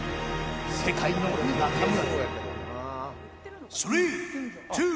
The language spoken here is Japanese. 世界の中村。